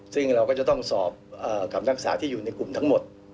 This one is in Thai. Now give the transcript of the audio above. ซึ่งเราก็จะต้องสอบกับนักศึกษาที่อยู่ในกลุ่มทั้งหมด